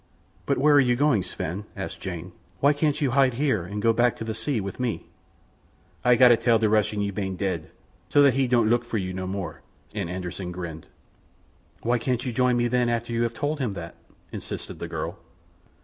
"But where are you going, Sven?" asked Jane. "Why can't you hide here and go back to the sea with me?" "Ay gotta tal the Russian you ban dead, so that he don't luke for you no more," and Anderssen grinned. "Why can't you join me then after you have told him that?" insisted the girl.